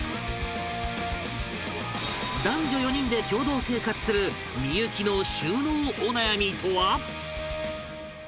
男女４人で共同生活する幸の収納お悩みとは？